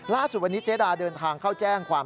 ล่าสุดวันนี้เจ๊ดาเดินทางเข้าแจ้งความ